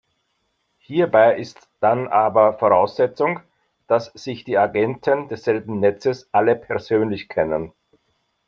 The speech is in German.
Hierbei ist dann aber Voraussetzung, dass sich die Agenten desselben Netzes alle persönlich kennen.